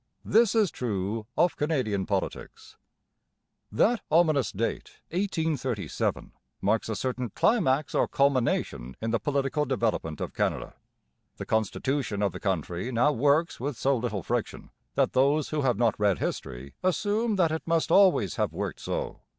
This is true of Canadian politics. That ominous date, 1837, marks a certain climax or culmination in the political development of Canada. The constitution of the country now works with so little friction that those who have not read history assume that it must always have worked so.